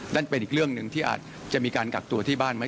นั่นเป็นอีกเรื่องหนึ่งที่อาจจะมีการกักตัวที่บ้านไหม